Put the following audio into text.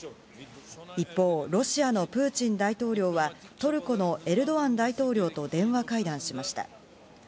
一方、ロシアのプーチン大統領はトルコのエルドアン大統領と電話会談しました。